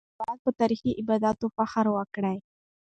د هېواد په تاريخي ابداتو فخر وکړئ.